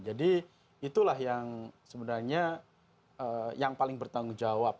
jadi itulah yang sebenarnya yang paling bertanggung jawab